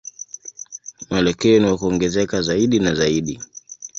Mwelekeo ni wa kuongezeka zaidi na zaidi.